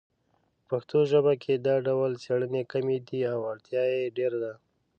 په پښتو ژبه کې دا ډول څیړنې کمې دي او اړتیا یې ډېره ده